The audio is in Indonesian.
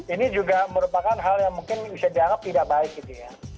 ini juga merupakan hal yang mungkin bisa dianggap tidak baik gitu ya